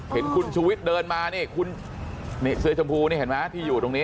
เห็นคุณชูวิทย์เดินมานี่คุณนี่เสื้อชมพูนี่เห็นไหมที่อยู่ตรงนี้